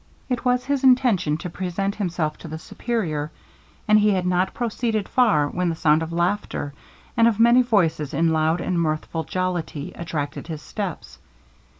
It was his intention to present himself to the Superior, and he had not proceeded far when the sound of laughter, and of many voices in loud and mirthful jollity, attracted his steps.